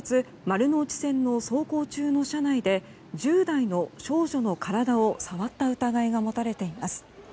丸ノ内線の走行中の車内で１０代の少女の体を触った疑いが持たれています。